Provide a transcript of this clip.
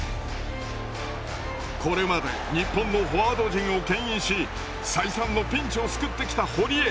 これまで日本のフォワード陣をけん引し再三のピンチを救ってきた堀江。